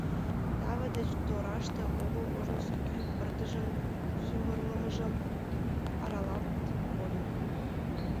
Таве деч тораште огыл ожнысо кӱ пырдыжын сӱмырлымыжӧ аралалт кодын.